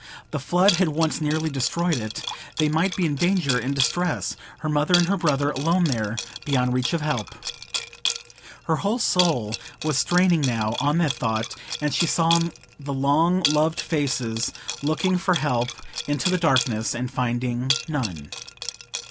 The flood had once nearly destroyed it. They might be in danger, in distress,—her mother and her brother, alone there, beyond reach of help! Her whole soul was strained now on that thought; and she saw the long loved faces looking for help into the darkness, and finding none.